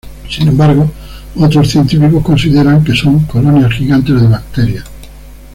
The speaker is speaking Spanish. Sin embargo, otros científicos consideran que son colonias gigantes de bacterias.